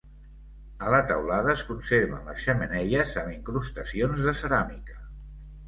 A la teulada es conserven les xemeneies amb incrustacions de ceràmica.